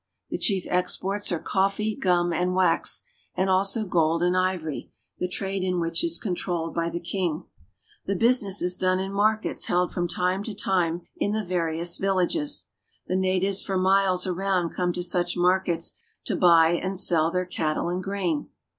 The chief exports are coffee, gum, and wax, and also gold and ivory, the trade in which is controlled by the king. The business is done in markets held from time to time in the various villages. The natives for miles around come to such markets to bjiy and sell their cattle and grain.